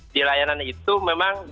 di layanan itu memang